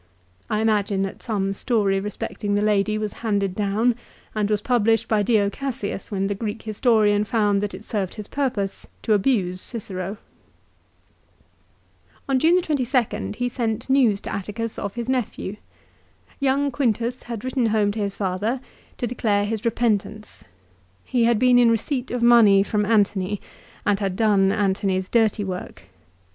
I imagine that some story respecting the lady was handed down, and was published by Dio Cassius when the Greek historian found that it served his purpose to abuse Cicero. On June 22nd he sent news to Atticus of his nephew. Young Quintus had written home to his father to declare his repentance. He had been in receipt of money from Antony, and had done Antony's dirty work.